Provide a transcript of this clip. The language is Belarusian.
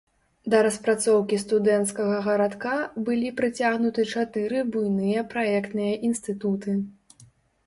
Да распрацоўкі студэнцкага гарадка былі прыцягнуты чатыры буйныя праектныя інстытуты.